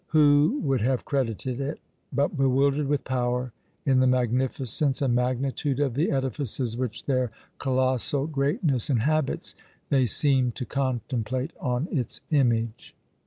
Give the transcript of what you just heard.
Who would have credited it? But bewildered with power, in the magnificence and magnitude of the edifices which their colossal greatness inhabits, they seem to contemplate on its image!